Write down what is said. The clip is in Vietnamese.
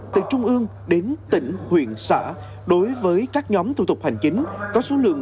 từ trung ương đến tỉnh huyện xã đối với các nhóm thủ tục hành chính có số lượng